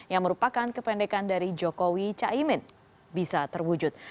yang merupakan kependekan dari jokowi caimin bisa terwujud